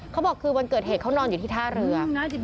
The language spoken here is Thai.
เขาบอกคือวันเกิดเหตุเขานอนอยู่ที่ท่าเรือ